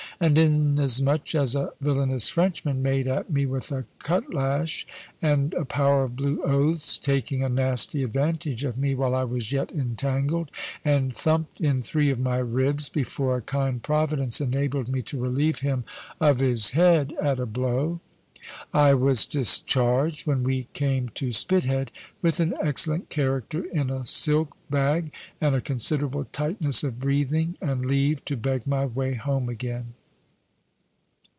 And inasmuch as a villanous Frenchman made at me with a cutlash, and a power of blue oaths (taking a nasty advantage of me, while I was yet entangled), and thumped in three of my ribs before a kind Providence enabled me to relieve him of his head at a blow I was discharged, when we came to Spithead, with an excellent character in a silk bag, and a considerable tightness of breathing, and leave to beg my way home again.